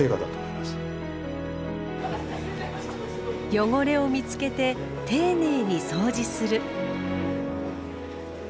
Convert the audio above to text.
汚れを見つけて丁寧にそうじする。